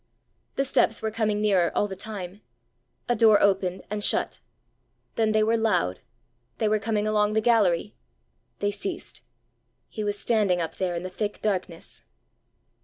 The steps were coming nearer all the time. A door opened and shut. Then they were loud they were coming along the gallery! They ceased. He was standing up there in the thick darkness!